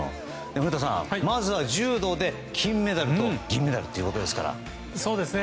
古田さん、まず柔道で金メダルと銀メダルですから。